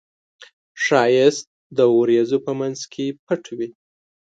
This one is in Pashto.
ښایست د وریځو په منځ کې پټ وي